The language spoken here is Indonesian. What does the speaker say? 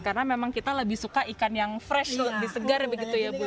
karena memang kita lebih suka ikan yang fresh lebih segar begitu ya ibu ya